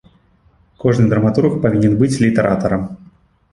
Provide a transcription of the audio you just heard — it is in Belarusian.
Кожны драматург павінен быць літаратарам.